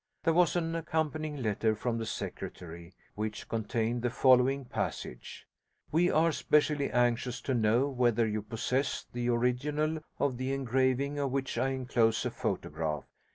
There was an accompanying letter from the Secretary which contained the following passage: 'We are specially anxious to know whether you possess the original of the engraving of which I enclose a photograph.